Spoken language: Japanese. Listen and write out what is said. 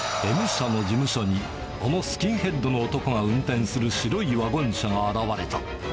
Ｍ社の事務所にあのスキンヘッドの男が運転する白いワゴン車が現れた。